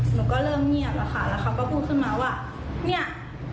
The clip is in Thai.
หนูก็เริ่มเงียบแล้วค่ะแล้วเขาก็พูดขึ้นมาว่าเนี่ย